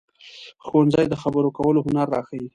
ښوونځی د خبرو کولو هنر راښيي